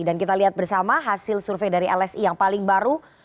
dan kita lihat bersama hasil survei dari lsi yang paling baru